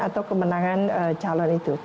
atau kemenangan calon itu